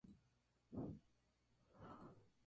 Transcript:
A lo largo del siglo pasado ha visto un gran desarrollo.